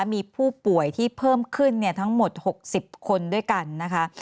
มีผู้ป่วยที่เพิ่มขึ้นทั้งหมด๖๐คนด้วยกันนะคะ